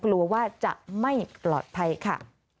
กลัวว่าจะไม่ปลอดภัยค่ะ